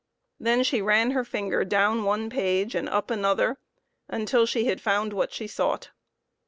Then she ran her finger down one page and up another, until she had found that which she sought.